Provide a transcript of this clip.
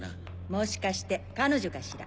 もしかして彼女かしら。